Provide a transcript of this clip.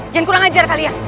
jangan kurang ajar kalian